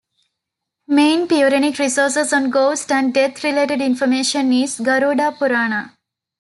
Main Puranic resource on ghost- and death-related information is Garuda Purana.